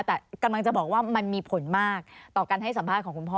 แต่กำลังจะบอกว่ามันมีผลมากต่อการให้สัมภาษณ์ของคุณพ่อ